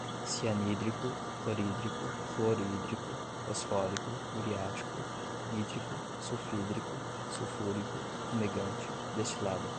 cianídrico, clorídrico, fluorídrico, fosfórico, muriático, nítrico, sulfídrico, sulfúrico, fumegante, destilada